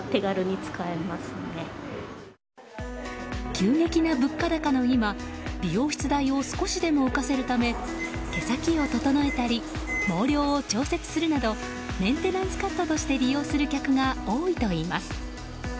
急激な物価高の今美容室代を少しでも浮かせるため毛先を整えたり毛量を調節するなどメンテナンスカットとして利用する客が多いといいます。